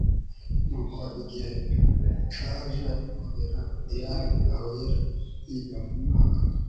Nuko igihe caje kugera Diane aho yari yiga mumwaka